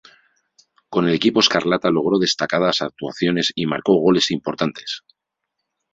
Con el equipo escarlata logró destacadas actuaciones y marco goles importantes.